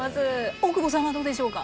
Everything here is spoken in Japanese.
大久保さんはどうでしょうか？